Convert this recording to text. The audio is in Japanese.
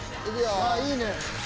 あぁいいね。